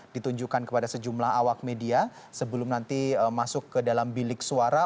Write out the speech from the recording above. ditunjukkan kepada sejumlah awak media sebelum nanti masuk ke dalam bilik suara